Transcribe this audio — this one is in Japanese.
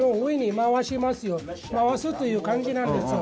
回すという感じなんですよ。